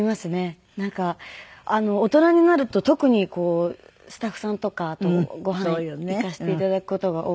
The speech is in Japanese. なんか大人になると特にスタッフさんとかとご飯行かせて頂く事が多くて。